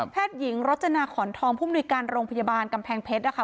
หญิงรจนาขอนทองผู้มนุยการโรงพยาบาลกำแพงเพชรนะคะ